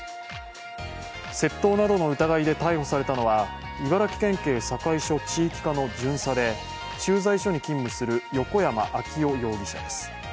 窃盗などの疑いで逮捕されたのは茨城県警堺署の地域課の巡査で駐在所に勤務する横山尭世容疑者です。